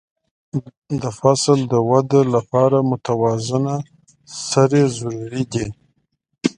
د فصل د وده لپاره متوازنه سرې ضروري دي.